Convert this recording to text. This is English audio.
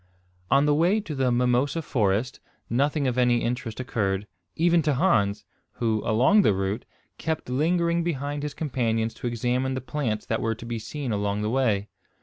On the way to the mimosa forest nothing of any interest occurred, even to Hans, who, along the route, kept lingering behind his companions to examine the plants that were to be seen along the way.